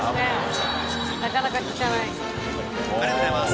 ありがとうございます。